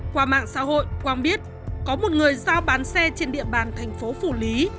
qua mạng xã hội quang biết có một người giao bán xe trên địa bàn thành phố phủ lý